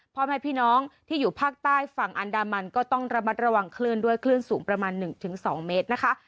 พ่อแม่พี่น้องที่อยู่ภาคใต้ฝั่งอันดามันก็ต้องระมัดระวังคลื่นด้วยคลื่นสูงประมาณ๑๒เมตรนะคะ